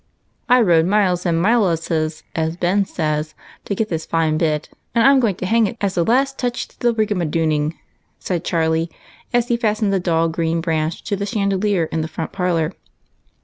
" I rode miles and mileses, as Ben says, to get this fine bit, and I 'm going to hang it there as the last touch to the rig a madooning," said Charlie, as he fastened a dull green branch to the chandelier in the front parlor.